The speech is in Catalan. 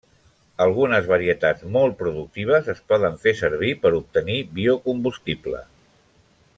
Algunes varietats molt productives es poden fer servir per obtenir biocombustible.